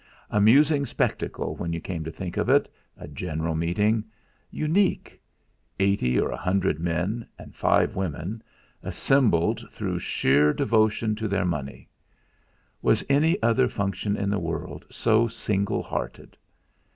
Amusing spectacle when you came to think of it, a general meeting! Unique! Eighty or a hundred men, and five women, assembled through sheer devotion to their money. Was any other function in the world so single hearted.